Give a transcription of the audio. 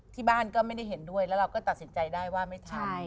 ที่บ้านก็ไม่ได้เห็นด้วยแล้วเราก็ตัดสินใจได้ว่าไม่ทำ